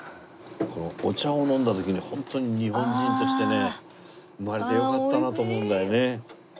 お茶を飲んだ時にホントに日本人としてね生まれてよかったなと思うんだよね。